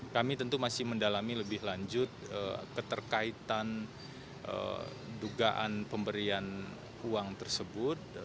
kami tentu masih mendalami lebih lanjut keterkaitan dugaan pemberian uang tersebut